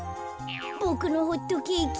ボクのホットケーキ。